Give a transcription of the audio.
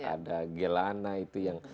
ada gelana itu yang